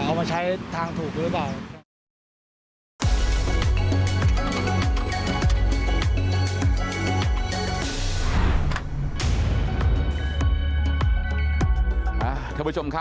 แต่ว่าถ้ามุมมองในทางการรักษาก็ดีค่ะ